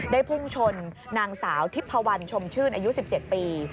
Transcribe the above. ได้พุ่งชนนางสาวทิพพวันชมชื่นอายุสิบเจ็ดปี